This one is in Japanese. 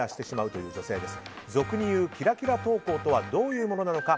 俗にいうキラキラ投稿とはどういうものなのか。